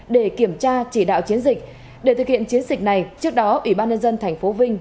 để kiểm tra chỉ đạo chiến dịch để thực hiện chiến dịch này trước đó ủy ban nhân dân tp vinh